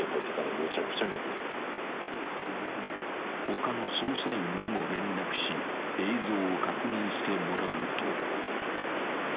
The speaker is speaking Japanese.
［他の捜査員にも連絡し映像を確認してもらうと］